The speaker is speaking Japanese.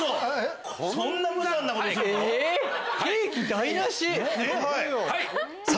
はい。